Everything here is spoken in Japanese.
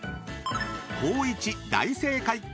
［光一大正解］